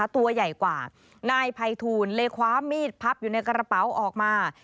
ตัวใหญ่กว่านายภัยทูลเลยคว้ามีดพับอยู่ในกระเป๋าออกมา